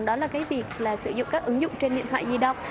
đó là cái việc là sử dụng các ứng dụng trên điện thoại di động